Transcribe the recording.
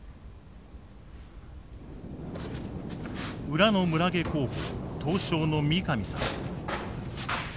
裏の村下候補刀匠の三上さん。